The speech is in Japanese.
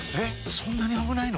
そんなに危ないの？